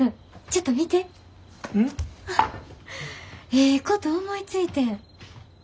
ええこと思いついてん。